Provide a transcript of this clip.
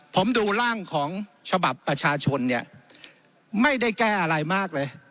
ผมดูร่างของฉบับประชาชนเนี่ยไม่ได้แก้อะไรมากเลย